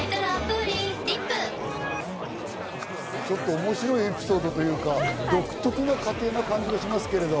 ちょっと面白いエピソードというか、独特な家庭という感じしますが。